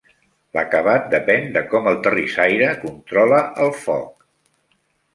L'acabat depèn de com el terrissaire controla el foc.